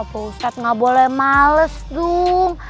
opa ustadz gak boleh males dong